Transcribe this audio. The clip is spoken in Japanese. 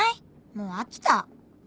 もう飽きた。